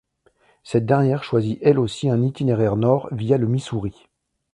Cette dernière choisit elle aussi un itinéraire nord via le Missouri.